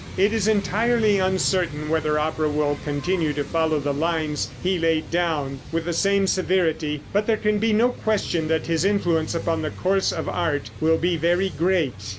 It is entirely uncertain whether opera will continue to follow the lines he laid down, with the same severity, but there can be no question that his influence upon the course of art will be very great.